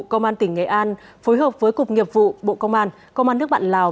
công an tỉnh nghệ an phối hợp với cục nghiệp vụ bộ công an công an nước bạn lào